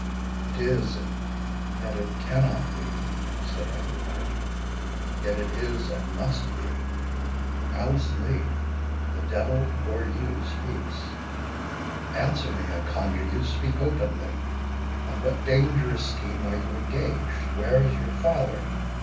"It is—and yet it cannot be," said Everard; "yet it is, and must be. Alice Lee, the devil or you speaks. Answer me, I conjure you!—speak openly—on what dangerous scheme are you engaged? where is your father?